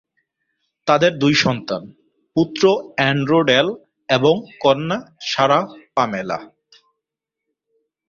তাদের দুই সন্তান, পুত্র অ্যান্ড্রু ডেল এবং কন্যা সারাহ পামেলা।